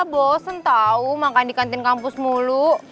bosen tau makan di kantin kampus mulu